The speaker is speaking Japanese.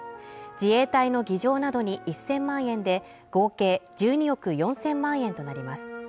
自衛隊の儀仗などに１０００万円で合計１２億４０００万円となります